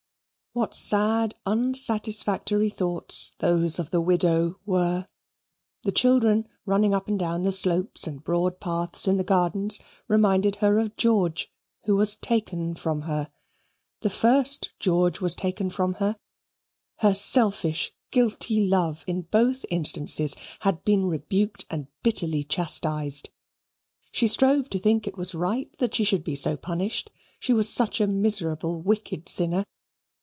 What sad, unsatisfactory thoughts those of the widow were! The children running up and down the slopes and broad paths in the gardens reminded her of George, who was taken from her; the first George was taken from her; her selfish, guilty love, in both instances, had been rebuked and bitterly chastised. She strove to think it was right that she should be so punished. She was such a miserable wicked sinner.